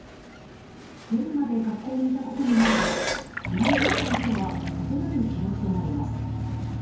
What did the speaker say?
夜まで学校にいたことになれば勤務実態とは異なる記録となります。